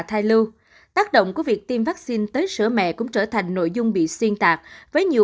thai lưu tác động của việc tiêm vaccine tới sữa mẹ cũng trở thành nội dung bị xuyên tạc với nhiều